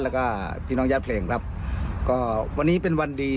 แล้วก็พี่น้องญาติเพลงครับก็วันนี้เป็นวันดี